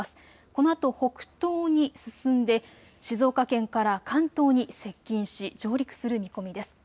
このあと北東に進んで静岡県から関東に接近し上陸する見込みです。